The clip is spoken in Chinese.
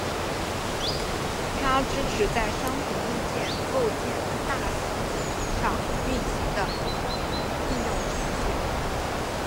它支持在商品硬件构建的大型集群上运行的应用程序。